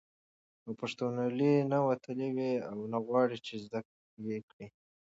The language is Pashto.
او پښتنوالي نه وتلي وي او نه غواړي، چې زده یې کړي